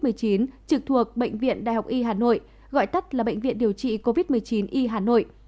trực thuộc bệnh viện đại học y hà nội gọi tắt là bệnh viện điều trị covid một mươi chín y hà nội